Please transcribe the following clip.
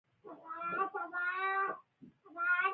لمسی له نیا نه خواږه واخلې.